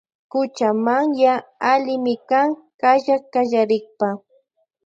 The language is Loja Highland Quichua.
Kuchamanya allimi kan kallakllarikpa.